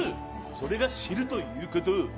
それが知るということ！